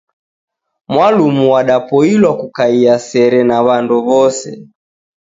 Mwalumu wadapoilwa kukaia sere na wandu wose